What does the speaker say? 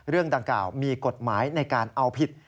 เรื่องดังกล่าวมีกฎหมายในการเอาผิด